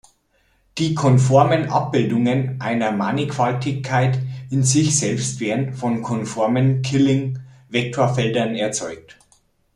Die konformen Abbildungen einer Mannigfaltigkeit in sich selbst werden von konformen Killing-Vektorfeldern erzeugt.